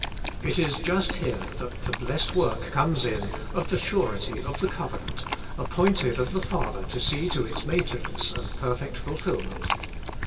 ' It is just here that the blessed work comes in of the surety of the covenant, appointed of the Father to see to its maintenance and perfect fulfilment.